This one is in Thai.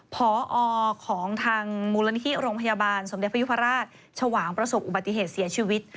พอของทางมูลนิธิโรงพยาบาลสมเด็จพยุพราชชวางประสบอุบัติเหตุเสียชีวิต